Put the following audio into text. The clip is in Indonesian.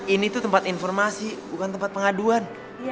ini tuh tempat informasi bukan tempat pengaduan